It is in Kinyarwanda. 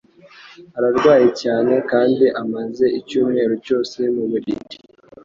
Ararwaye cyane kandi amaze icyumweru cyose mu buriri